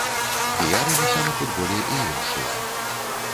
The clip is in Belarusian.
Піярыліся на футболе і іншыя.